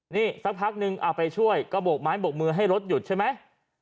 นี่สักพักนึงเอาไปช่วยก็โบกไม้บกมือให้รถหยุดใช่ไหม